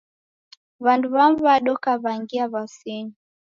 W'andu w'amu w'adoka w'angia w'asinyi.